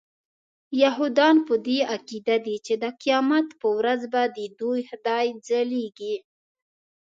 یهودان په دې عقیده دي چې د قیامت په ورځ به ددوی خدای ځلیږي.